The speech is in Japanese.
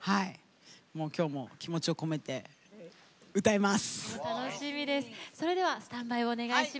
今日も、気持ちを込めて歌います。